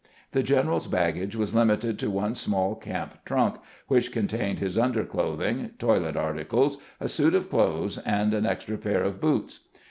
The general's baggage was limited to one small camp trunk, which contained his underclothing, toilet articles, a suit of clothes, and an extra pair of boots.